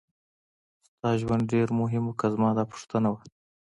ستا ژوند ډېر مهم و که زما دا پوښتنه وه.